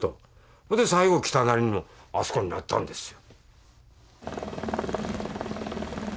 ほいで最後あそこになったんですよ。